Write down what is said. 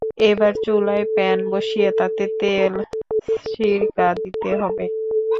এবার চুলায় প্যান বসিয়ে তাতে তেল সিরকা দিতে হবে।